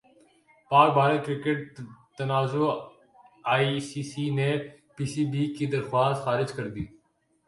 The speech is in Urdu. پاک بھارت کرکٹ تنازع ائی سی سی نے پی سی بی کی درخواست خارج کردی